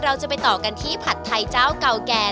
เราจะไปต่อกันที่ผัดไทยเจ้าเก่าแก่